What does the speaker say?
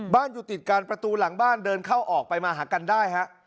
อยู่ติดกันประตูหลังบ้านเดินเข้าออกไปมาหากันได้ฮะ